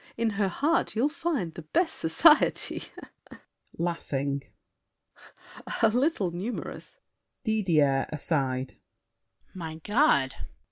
In her heart you'll find The best society. A little numerous. DIDIER (aside). My God! SAVERNY.